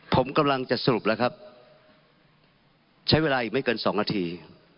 ผมกำลังจะสรุปแล้วครับใช้เวลาอีกไม่เกิน๒นาที